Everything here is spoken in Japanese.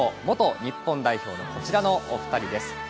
元日本代表のこちらのお二人です。